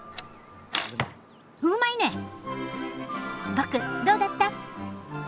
ボクどうだった？